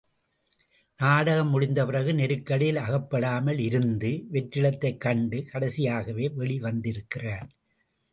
நாடகம் முடிந்தபிறகு நெருக்கடியில் அகப்படாமல் இருந்து, வெற்றிடத்தைக்கண்டு கடைசியாகவே வெளி வந்திருக்கிறார்.